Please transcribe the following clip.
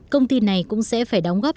công ty này cũng sẽ phải đóng góp